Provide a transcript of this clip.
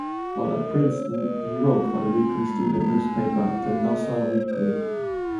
While at Princeton, he wrote for the weekly student newspaper, the "Nassau Weekly".